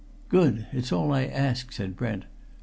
"Good! It's all I ask," said Brent.